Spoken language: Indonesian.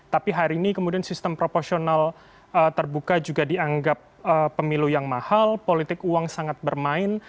tapi hari ini kemudian sistem proporsional terbuka juga dianggap pemilu yang mahal politik uang sangat bermain